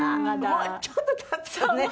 もうちょっと経ったらね。